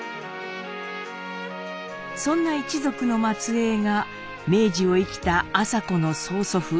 そんな一族の末えいが明治を生きた麻子の曽祖父